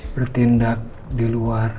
bertindak di luar